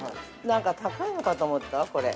何か高いのかと思ったわ、これ。